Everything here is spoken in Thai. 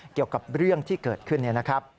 เกี่ยวกับเรื่องที่เกิดขึ้นเนี่ยนะครับ